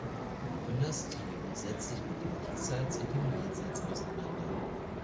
Dynastie und setzt sich mit dem Diesseits und dem Jenseits auseinander.